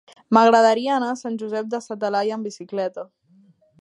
M'agradaria anar a Sant Josep de sa Talaia amb bicicleta.